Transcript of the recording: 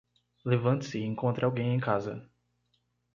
Levante-se e encontre alguém em casa